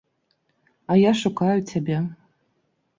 А я шукаю цябе.